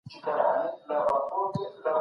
سازمانونه کله نړیوالي شخړي پای ته رسوي؟